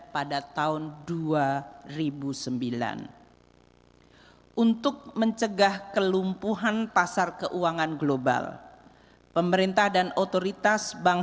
pada tahun dua ribu sembilan untuk mencegah kelumpuhan pasar keuangan global pemerintah dan otoritas bank